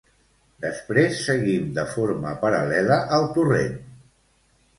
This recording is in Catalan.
Després seguim de forma paral·lela al torrent.